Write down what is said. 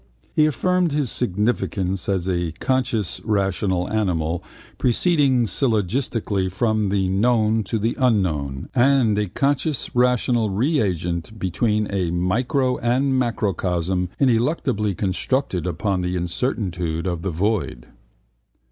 He affirmed his significance as a conscious rational animal proceeding syllogistically from the known to the unknown and a conscious rational reagent between a micro and a macrocosm ineluctably constructed upon the incertitude of the void.